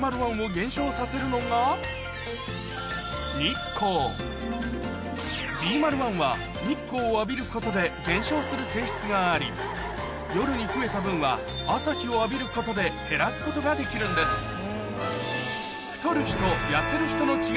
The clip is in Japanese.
１を減少させるのがＢＭＡＬ１は日光を浴びることで減少する性質があり夜に増えた分は朝日を浴びることで減らすことができるんです